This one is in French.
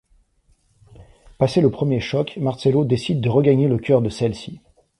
Passé le premier choc, Marcello décide de regagner le cœur de celle-ci.